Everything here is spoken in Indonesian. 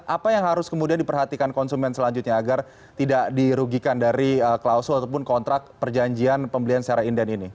apa yang harus kemudian diperhatikan konsumen selanjutnya agar tidak dirugikan dari klausul ataupun kontrak perjanjian pembelian secara inden ini